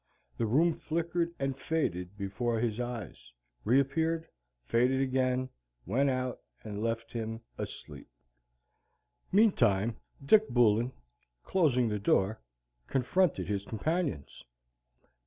The room flickered and faded before his eyes, reappeared, faded again, went out, and left him asleep. Meantime Dick Bullen, closing the door, confronted his companions.